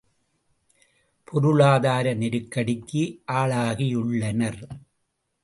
பொருளாதார நெருக்கடிக்கு ஆளாகியுள்ளனர்.